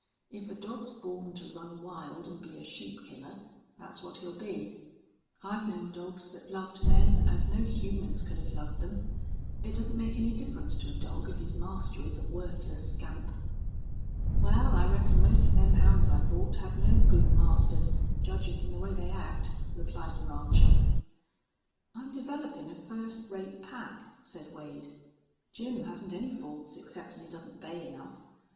If a dog's born to run wild an' be a sheep killer, that's what he'll be. I've known dogs that loved men as no humans could have loved them. It doesn't make any difference to a dog if his master is a worthless scamp." "Wal, I reckon most of them hounds I bought had no good masters, judgin' from the way they act," replied the rancher. "I'm developin' a first rate pack," said Wade. "Jim hasn't any faults exceptin' he doesn't bay enough.